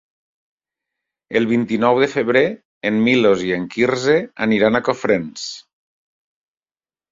El vint-i-nou de febrer en Milos i en Quirze aniran a Cofrents.